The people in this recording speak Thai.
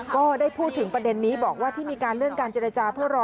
ก็ได้พูดถึงประเด็นนี้บอกว่าที่มีการเลื่อนการเจรจาเพื่อรอ